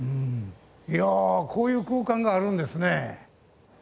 いやこういう空間があるんですね。